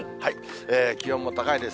気温も高いです。